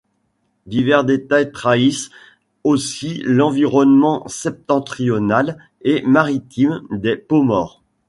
Divers détails trahissent aussi l'environnement septentrional et maritime des Pomors.